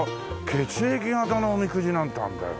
血液型のおみくじなんてあるんだよ。